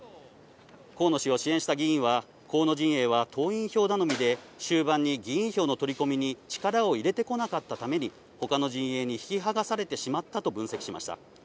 河野氏を支援した議員は、河野陣営は、党員票頼みで、終盤に議員票の取り込みに力を入れてこなかったために、ほかの陣営に引き剥がされてしまったと分析しました。